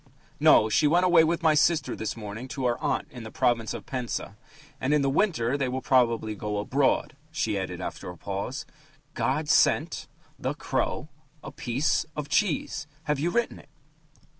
"No, she went away with my sister this morning to our aunt in the province of Penza. And in the winter they will probably go abroad," she added after a pause. "'God sent ... the crow ... a piece ... of cheese....' Have you written it?"